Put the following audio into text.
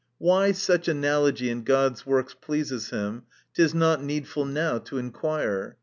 — Why such analogy in God's works pleases hirn, it is not needful now to inquire.